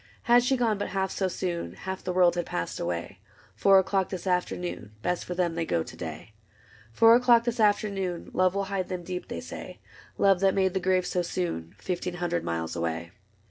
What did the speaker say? Had she gone but half so soon. Half the world had passed away. Four o'clock this afternoon. Best for them they go to day. Four o^clock this afternoon Love will hide them deep, they say ; Love that made the grave so soon. Fifteen hundred miles away.